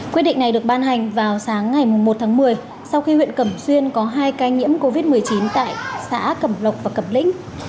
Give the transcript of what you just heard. quyết định này được ban hành vào sáng ngày một tháng một mươi sau khi huyện cẩm xuyên có hai ca nhiễm covid một mươi chín tại xã cẩm lộc và cẩm lĩnh